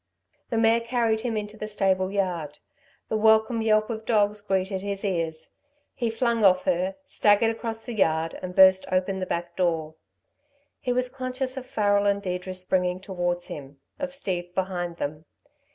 The mare carried him on into the stable yard. The welcome yelp of dogs greeted his ears. He flung off her, staggered across the yard and burst open the back door. He was conscious of Farrel and Deirdre springing towards him, of Steve behind them.